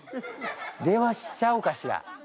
電話しちゃおうかしら。